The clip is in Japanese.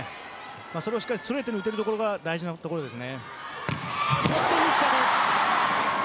それをしっかりストレートに打てるのが大事なところです。